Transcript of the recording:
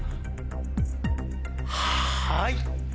はい！